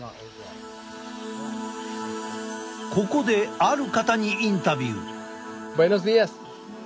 ここである方にインタビュー。